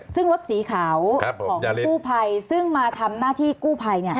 ซึ่งรถสีขาวของกู้ภัยซึ่งมาทำหน้าที่กู้ภัย